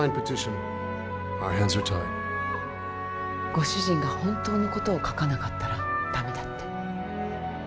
ご主人が本当のことを書かなかったらダメだって。